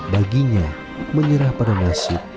baginya menyerah pada nasib